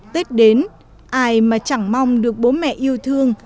tết đến ai mà chẳng mong được bố mẹ yêu thương